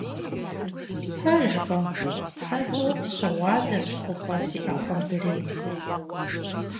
Пэжкъым, сэ фӀыуэ сыщыгъуазэщ хъупӀэр си Ӏэхъуэм зэрейм.